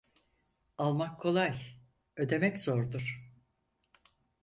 Almak kolay ödemek zordur.